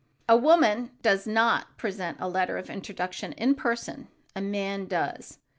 A woman does not present a letter of introduction in person; a man does.